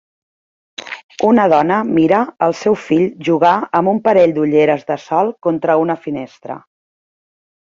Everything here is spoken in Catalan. Una dona mira el seu fill jugar amb un parell d'ulleres de sol contra una finestra.